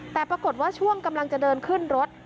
แต่ปรากฏว่าช่วงกำลังจะเดินขึ้นรถ